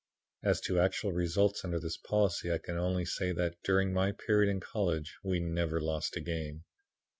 "As to actual results under this policy, I can only say that, during my period in college, we never lost a game.